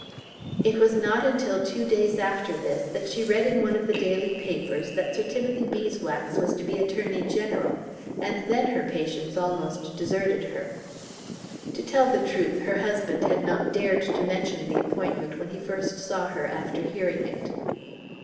It was not till two days after this that she read in one of the daily papers that Sir Timothy Beeswax was to be Attorney General, and then her patience almost deserted her. To tell the truth, her husband had not dared to mention the appointment when he first saw her after hearing it.